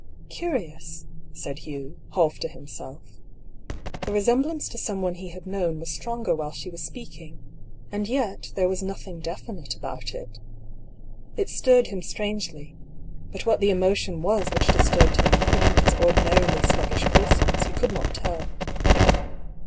" Curious !" said Hugh, half to himself. The resemblance to someone he had known was stronger while she was speaking, and yet there was nothing definite about it. It stirred him strangely ; but what the emotion was which disturbed him and quick ened his ordinarily sluggish pulses, he could not tell.